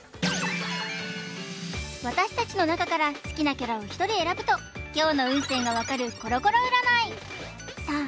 私達の中から好きなキャラを１人選ぶと今日の運勢が分かるコロコロ占いさあ